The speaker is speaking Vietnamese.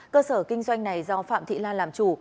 cơ sở kinh doanh này do phạm thị la làm chủ